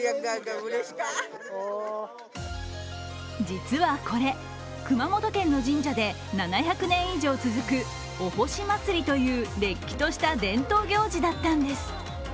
実はこれ、熊本県の神社で７００年以上続くお法使祭という、れっきとした伝統行事だったんです。